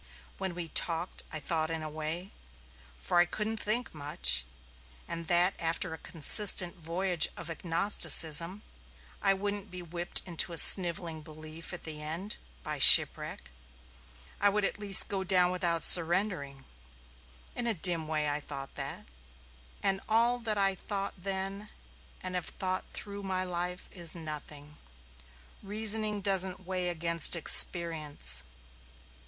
When he talked I thought in a way for I couldn't think much that after a consistent voyage of agnosticism, I wouldn't be whipped into snivelling belief at the end, by shipwreck. I would at least go down without surrendering. In a dim way I thought that. And all that I thought then, and have thought through my life, is nothing. Reasoning doesn't weigh against experience.